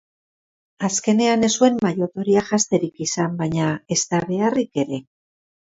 Azkenean ez zuen maillot horia janzterik izan baina ezta beharrik ere!